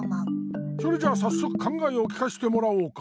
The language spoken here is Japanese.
それじゃあさっそく考えを聞かせてもらおうか。